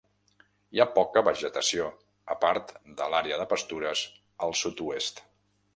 Hi ha poca vegetació, a part de l'àrea de pastures al sud-oest.